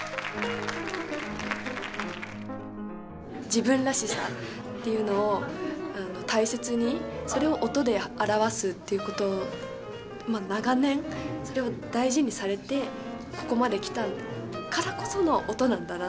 自分らしさっていうのを大切にそれを音で表すっていうことを長年それを大事にされてここまで来たからこその音なんだなって。